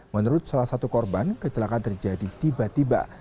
menurut salah satu korban kecelakaan terjadi tiba tiba